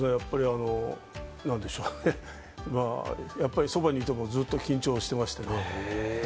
なんでしょうかね、そばにいてもずっと緊張してましたね。